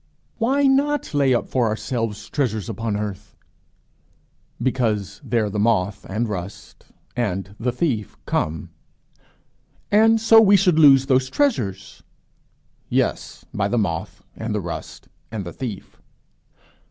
"Why not lay up for ourselves treasures upon earth?" "Because there the moth and rust and the thief come." "And so we should lose those treasures!" "Yes; by the moth and the rust and the thief."